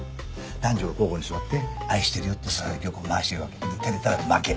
男女が交互に座って「愛してるよ」ってささやきを回していくわけ。で照れたら負け。